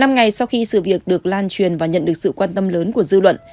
năm ngày sau khi sự việc được lan truyền và nhận được sự quan tâm lớn của dư luận